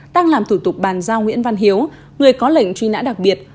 đang làm thủ tục bàn giao nguyễn văn hiếu người có lệnh truy nã đặc biệt